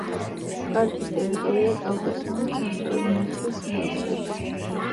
პარკის ტერიტორია კავკასიონის ცენტრალურ ნაწილს მოიცავს.